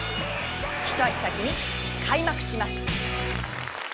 一足先に開幕します。